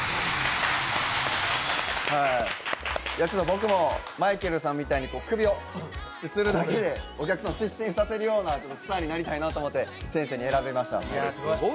僕もマイケルさんみたいに首をこうするのでお客さんを失神させるようなスターになりたいなと思って先生に選んでみました。